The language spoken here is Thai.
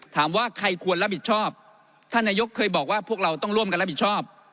ถามว่าใครควรรับผิดชอบท่านนายกเคยบอกว่าพวกเราต้องร่วมกันรับผิดชอบ